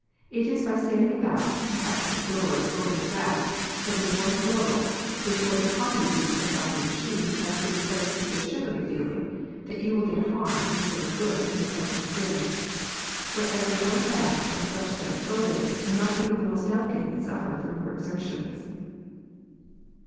It is by standing about, perhaps out of doors or in a draught, till the warm glow which was upon you when you stepped off your machine has given place to a shivery feeling, that you will get harm instead of good from your pleasant spin, whereas a warm bath and a fresh set of clothing, and not even the most delicate need suffer from her exertions.